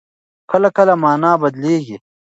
کله کله مانا بدلېږي.